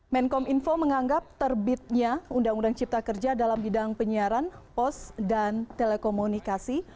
menkom info menganggap terbitnya undang undang cipta kerja dalam bidang penyiaran pos dan telekomunikasi